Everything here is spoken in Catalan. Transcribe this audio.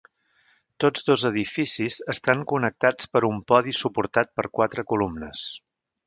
Tots dos edificis estan connectats per un podi suportat per quatre columnes.